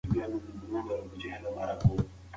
که موږ په رښتیا پوه شو، نو د درواغو له اثراتو څخه ځان ساتو.